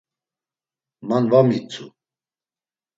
Man va mitzu.